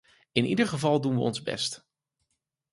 In ieder geval doen we ons best.